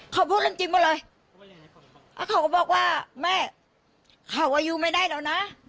เขาพูดเรื่องจริงหมดเลยแล้วเขาก็บอกว่าแม่เขาอายุไม่ได้แล้วนะ